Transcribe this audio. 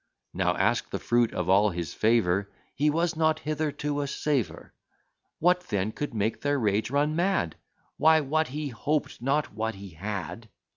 Now ask the fruit of all his favour "He was not hitherto a saver." What then could make their rage run mad? "Why, what he hoped, not what he had."